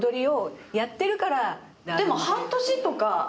でも半年とか。